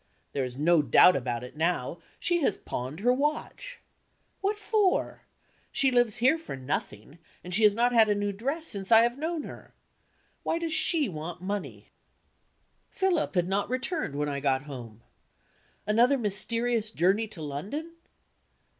There is no doubt about it now; she has pawned her watch. What for? She lives here for nothing, and she has not had a new dress since I have known her. Why does she want money? Philip had not returned when I got home. Another mysterious journey to London?